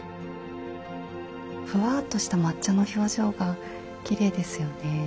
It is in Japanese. ふわっとした抹茶の表情がきれいですよね。